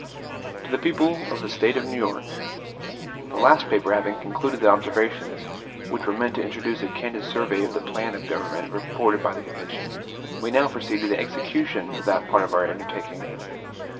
Wednesday, January 16, 1788 MADISON To the People of the State of New York: THE last paper having concluded the observations which were meant to introduce a candid survey of the plan of government reported by the convention, we now proceed to the execution of that part of our undertaking.